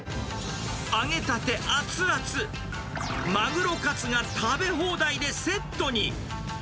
揚げたて熱々、まぐろカツが食べ放題でセットに。